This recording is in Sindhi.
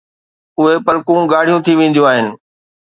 اهي پلڪون ڳاڙهيون ٿي وينديون آهن